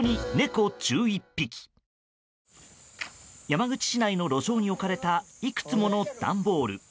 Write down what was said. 山口市内の路上に置かれたいくつもの段ボール。